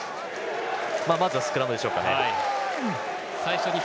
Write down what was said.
まずはスクラムでしょうかね。